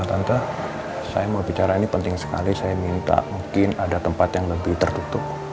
tante saya mau bicara ini penting sekali saya minta mungkin ada tempat yang lebih tertutup